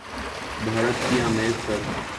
بھارت کے امیر تر